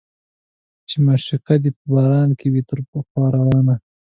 چې معشوقه دې په باران کې وي تر خوا روانه